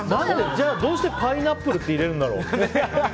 じゃあ、どうしてパイナップルって入れるんだろ？